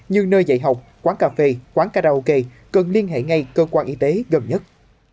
như nơi dạy học quán cà phê quán karaoke cần liên hệ ngay cơ quan y tế gần nhất